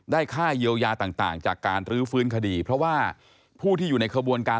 ค่าเยียวยาต่างจากการรื้อฟื้นคดีเพราะว่าผู้ที่อยู่ในขบวนการ